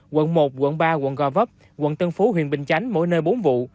quận một quận ba quận gò vấp quận tân phú huyện bình chánh mỗi nơi bốn vụ